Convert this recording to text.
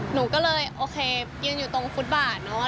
หนูก็เลยโอเคยืนอยู่ตรงฟุตบาทเนอะ